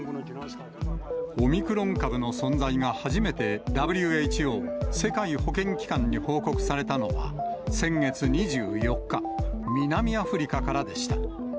オミクロン株の存在が初めてＷＨＯ・世界保健機関に報告されたのは、先月２４日、南アフリカからでした。